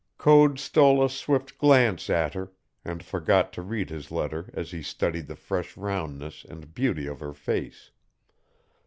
Code stole a swift glance at her, and forgot to read his letter as he studied the fresh roundness and beauty of her face.